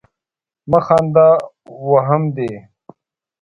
مه خانده ! وهم دي.